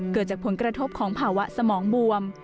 เกิดจากผลกระทบของภาวะสมองบวม